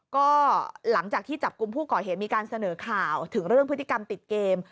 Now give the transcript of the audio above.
ก็หลังจากที่จับกลุ่มผู้ก่อเหตุมีการเสนอข่าวถึงเรื่องพฤติกรรมติดเกม